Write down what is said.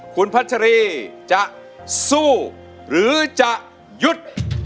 คุณพัชรีจะสู้หรือจะหยุด